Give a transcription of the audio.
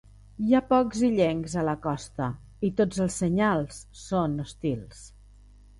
Hi ha pocs illencs a la costa i tots els senyals són hostils.